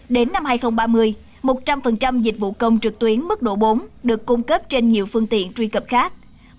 đến năm hai nghìn ba mươi một trăm linh dịch vụ công trực tuyến mức độ bốn được cung cấp trên nhiều phương tiện truy cập khác